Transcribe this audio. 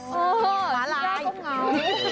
ฮาลายกลายคงเหงา